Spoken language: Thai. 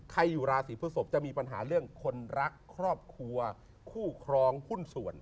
อยู่ราศีพฤศพจะมีปัญหาเรื่องคนรักครอบครัวคู่ครองหุ้นส่วน